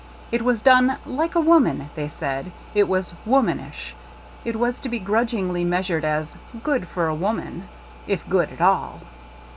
It was done "like a woman," they said ; it was "womanish ;" it was to be grudgingly measured as "good — for a woman," if good at all.